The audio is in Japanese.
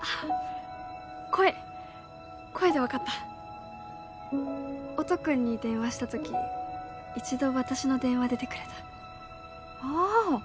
声声で分かった音くんに電話した時一度私の電話出てくれたああっ